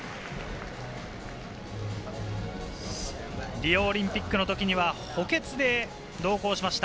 リオオリンピックの時には補欠で同行しました。